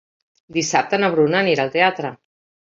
Dissabte na Bruna anirà al teatre.